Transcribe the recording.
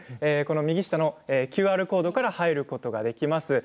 右下のＱＲコードから入ることができます。